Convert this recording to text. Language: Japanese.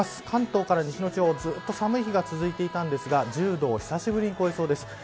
関東から西の地方はずっと寒い日が続いていましたが１０度を久しぶりに超えそうです。